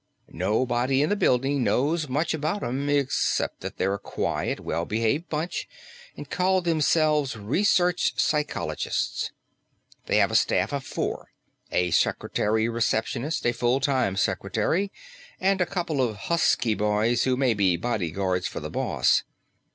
Nobody in the building knows much about 'em, except that they're a quiet, well behaved bunch and call themselves research psychologists. They have a staff of four: a secretary receptionist; a full time secretary; and a couple of husky boys who may be bodyguards for the boss.